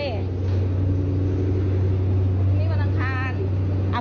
พรุ่งนี้วันอันทาน